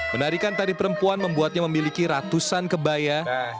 menarikan tari perempuan membuatnya memiliki ratusan kebaya